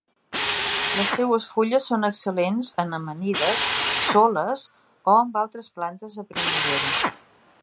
Les seues fulles són excel·lents en amanides, soles o amb altres plantes de primavera.